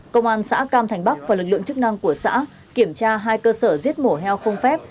công an xã cam thành bắc và lực lượng chức năng của xã kiểm tra hai cơ sở giết mổ heo không phép